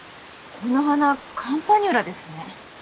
この花カンパニュラですね。